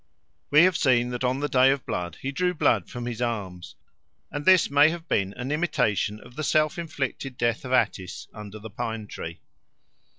We have seen that on the Day of Blood he drew blood from his arms, and this may have been an imitation of the self inflicted death of Attis under the pine tree.